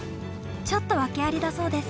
ちょっと訳ありだそうです。